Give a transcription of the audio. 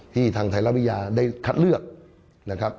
ที่ทางไทยรัฐวิทยาได้คัดเลือก